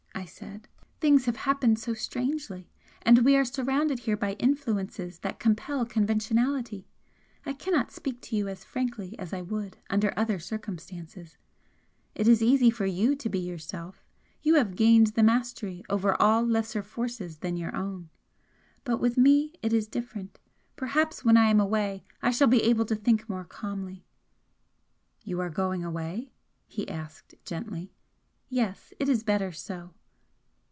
I said. "Things have happened so strangely, and we are surrounded here by influences that compel conventionality. I cannot speak to you as frankly as I would under other circumstances. It is easy for YOU to be yourself; you have gained the mastery over all lesser forces than your own. But with me it is different perhaps when I am away I shall be able to think more calmly " "You are going away?" he asked, gently. "Yes. It is better so."